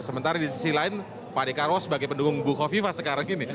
sementara di sisi lain pak dekarwo sebagai pendukung buko viva sekarang ini